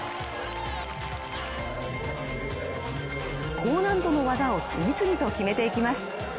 高難度の技を次々と決めていきます